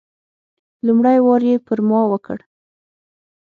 لومړی وار یې پر ما وکړ.